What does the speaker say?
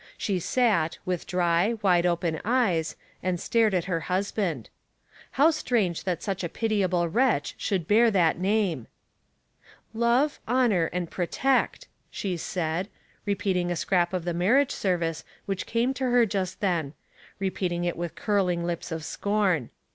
She sat, with dry, wide open eyes, and stared at her husband. How strange that such a pitiable wretch should bear that name !'' Love, honor and protect,'' she said, repeating a scrap of the marriage service which came to her just then, repeating it with curling lips of scorn.